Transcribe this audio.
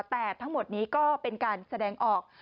แต่ทั้งหมดนี้ก็เป็นการแสดงออก